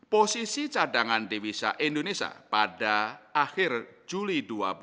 posisi cadangan devisa indonesia pada akhir juli dua ribu dua puluh